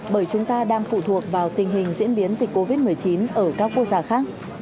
bởi chúng ta đang phụ thuộc vào tình hình diễn biến dịch covid một mươi chín ở các quốc gia khác